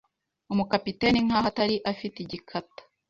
umukapiteni, nkaho atari. Afite igikata